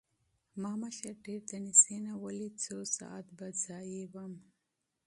ما مشر ډېر د نزدې نه وليد څو ساعت پۀ ځائې ووم